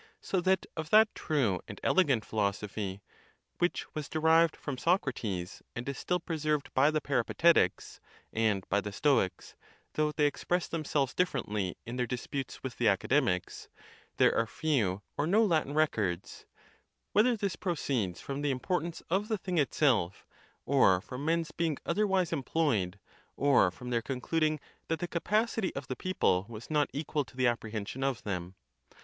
So that of that true and elegant philosophy (which was derived from Soc rates, and is still preserved by the Peripatetics and by the Stoics, though they express themselves differently in their disputes with the Academics) there are few or no Latin records; whether this proceeds from the impor tance of the thing itself, or from men's being otherwise em ployed, or from their concluding that the capacity of the people was not equal to the apprehension of them.